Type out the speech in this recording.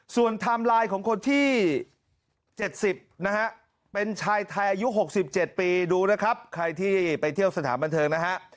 ส่วนไทม์ไลน์ของคนที่๗๐นะฮะเป็นชายไทยอายุ๖๗ปีดูนะครับใครที่ไปเที่ยวสถานบันเทิงนะฮะ